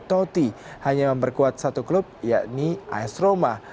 toti hanya memperkuat satu klub yakni as roma